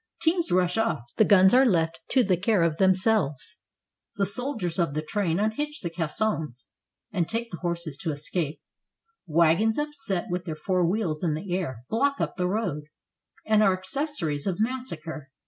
Teams rush off, the guns are left to the care of themselves; the sol diers of the train unhitch the caissons and take the horses to escape; wagons upset, with their four wheels in the air, block up the road, and are accessories of mas sacre.